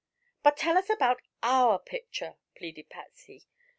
"But tell us about our picture," pleaded Patsy.